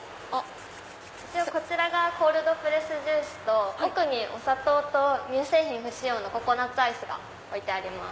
こちらがコールドプレスジュースと奥にお砂糖と乳製品不使用のココナッツアイスがあります。